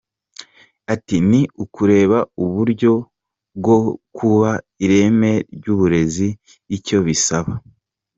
Ati “Ni ukureba uburyo bwo kubaka ireme ry’uburezi icyo bisaba.